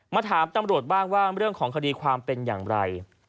ถามตำรวจบ้างว่าเรื่องของคดีความเป็นอย่างไร